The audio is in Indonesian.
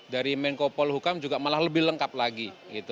dari menko polhukam juga malah lebih lengkap lagi